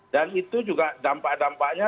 dan itu juga dampak dampaknya